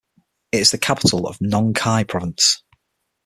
It is the capital of Nong Khai Province.